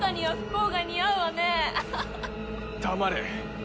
黙れ！